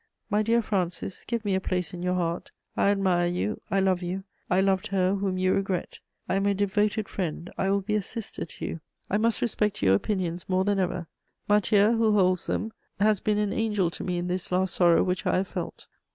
My dear Francis, give me a place in your heart. I admire you, I love you, I loved her whom you regret. I am a devoted friend, I will be a sister to you. I must respect your opinions more than ever. Matthieu, who holds them, has been an angel to me in this last sorrow which I have felt.